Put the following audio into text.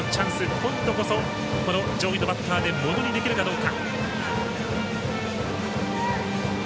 今度こそ、この上位のバッターでものにできるかどうか。